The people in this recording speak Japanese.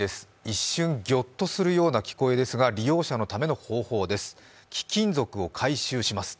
一瞬ぎょっとするような聞こえですが利用者のための方法です。